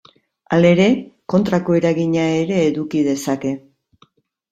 Halere, kontrako eragina ere eduki dezake.